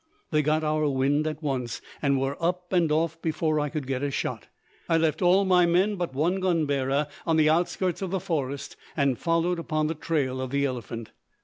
They got our wind at once, and were up and off before I could get a shot. I left all my men but one gun bearer on the outskirts of the forest and followed upon the trail of the elephant.